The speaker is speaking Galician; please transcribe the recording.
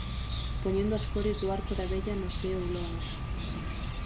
Poñendo as cores do arco da vella no seo logo.